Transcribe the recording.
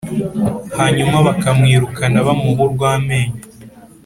hanyuma bakamwirukana bamuha urw’amenyo,